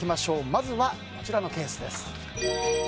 まずはこちらのケースです。